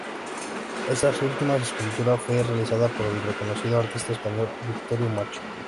Esta última escultura fue realizada por el reconocido artista español Victorio Macho.